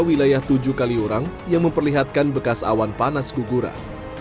wilayah tujuh kaliurang yang memperlihatkan bekas awan panas guguran